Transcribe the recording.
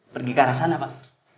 pergi ke arah sana pak